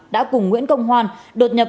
đã cùng nguyễn công hoan đột nhập